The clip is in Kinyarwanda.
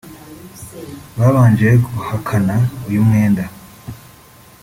Babanje guhakana uyu mwenda